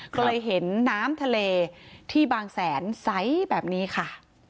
ก็เลยเห็นน้ำทะเลที่บางแสนใสแบบนี้ค่ะ